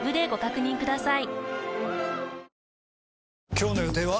今日の予定は？